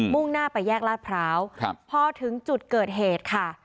่งหน้าไปแยกลาดพร้าวพอถึงจุดเกิดเหตุค่ะ